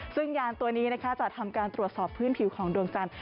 ซึ่งยานตัวนี้จะทำการตรวจสอบพื้นผิวของดวงจันทร์